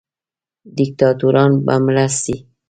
دیکتاتوران به مړه سي.